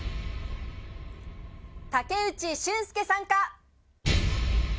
武内駿輔さんか。